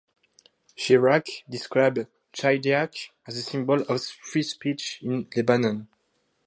Chirac described Chidiac as a symbol of free speech in Lebanon.